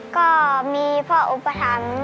ก็มีพ่ออุปถัมภ์